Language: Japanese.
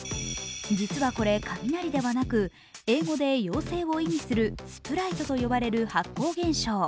実はこれ、雷ではなく英語で妖精を意味するスプライトと呼ばれる発光現象。